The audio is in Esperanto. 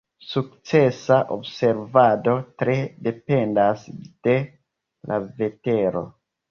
Sukcesa observado tre dependas de la vetero.